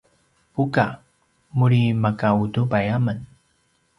buka: muri maka utubai amen